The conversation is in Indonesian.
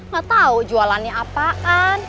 gak tau jualannya apaan